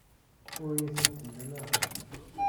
Ur iyi-ten-id-temlam ara.